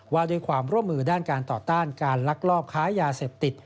ว่าด้วยความร่วมมือด้านการต่อต้านการลักลอบค้ายาเสพติด